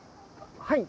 はい。